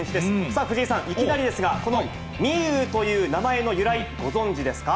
さあ、藤井さん、いきなりですが、この美夢有という名前の由来、ご存じですか？